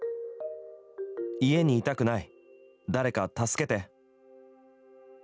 家にいたくない、誰か助けて。